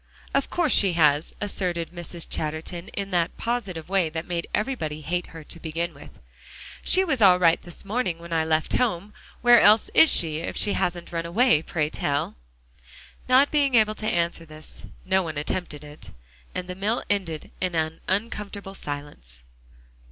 "Of course she has," asserted Mrs. Chatterton, in that positive way that made everybody hate her to begin with. "She was all right this morning when I left home. Where else is she, if she hasn't run away, pray tell?" Not being able to answer this, no one attempted it, and the meal ended in an uncomfortable silence.